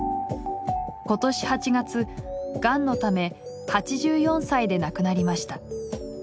今年８月がんのため８４歳で亡くなりました。